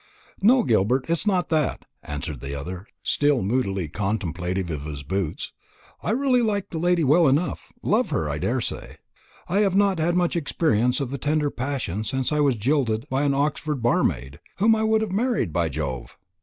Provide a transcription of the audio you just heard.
"No, Gilbert, it's not that," answered the other, still moodily contemplative of his boots. "I really like the lady well enough love her, I daresay. I have not had much experience of the tender passion since I was jilted by an Oxford barmaid whom I would have married, by Jove.